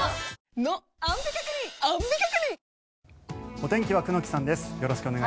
お天気は久能木さんです。